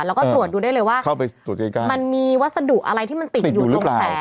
รวดดูได้เลยว่ามันมีวัสดุอะไรที่ติดอยู่ตรงแผล